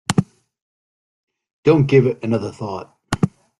Don't give it another thought.